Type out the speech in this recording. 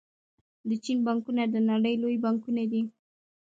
د چین بانکونه د نړۍ لوی بانکونه دي.